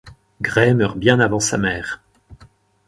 Grey meurt bien avant sa mère.